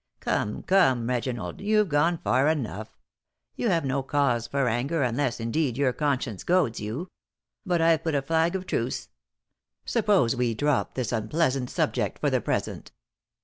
"Come, come, Reginald, you've gone far enough. You have no cause for anger unless, indeed, your conscience goads you. But I've put up a flag of truce. Suppose we drop this unpleasant subject for the present."